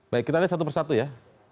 baik kita lihat satu persatu ya